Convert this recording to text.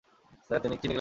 Sir, চিনি কেলেংকারী?